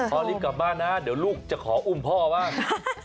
พอรีบกลับบ้านนะเดี๋ยวลูกจะขออุ้มพ่อบ้าง